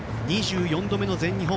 ２４度目の全日本。